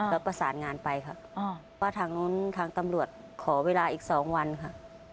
แล้วประสานงานไปค่ะว่าทางนู้นทางตำรวจขอเวลาอีก๒วันค่ะ